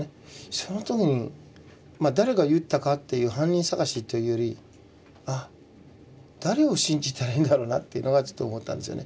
その時に誰が言ったかっていう犯人捜しというよりあっ誰を信じたらいいんだろうなっていうのはちょっと思ったんですよね。